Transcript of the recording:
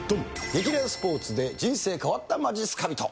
激レアスポーツで人生変わったまじっすか人。